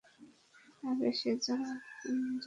আর সে জন্মান্ধ ছিল।